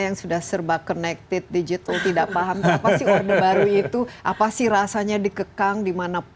yang sudah serba connected digital tidak paham kenapa sih orde baru itu apa sih rasanya dikekang dimana